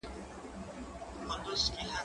زه اجازه لرم چي وخت تېرووم،